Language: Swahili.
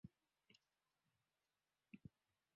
dalili yake ni kiwango cha juu cha mafuta kwenye mwili